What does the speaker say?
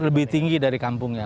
lebih tinggi dari kampungnya